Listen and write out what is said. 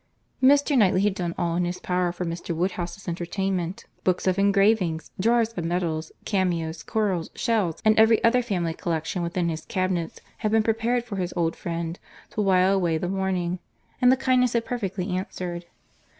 Mr. Knightley had done all in his power for Mr. Woodhouse's entertainment. Books of engravings, drawers of medals, cameos, corals, shells, and every other family collection within his cabinets, had been prepared for his old friend, to while away the morning; and the kindness had perfectly answered.